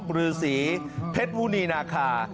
หรือศรีเผ็ดหู้นีนาคา